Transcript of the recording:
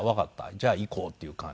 じゃあ行こうという感じで。